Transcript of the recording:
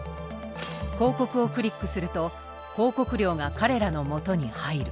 広告をクリックすると広告料が彼らのもとに入る。